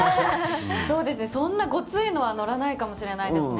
そんなごついのは乗らないかもしれないですね。